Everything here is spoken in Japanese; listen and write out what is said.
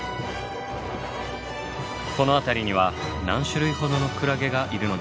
この辺りには何種類ほどのクラゲがいるのでしょうか？